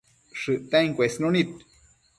shëcten cuesnunid